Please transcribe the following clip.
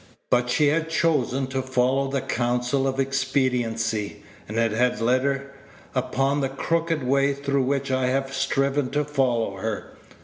But she had chosen to follow the counsel of expediency, and it had led her upon the crooked way through which I have striven to follow her.